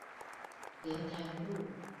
蓮潭路